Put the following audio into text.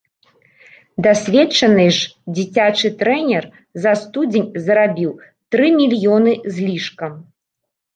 Дасведчаны ж дзіцячы трэнер за студзень зарабіў тры мільёны з лішкам.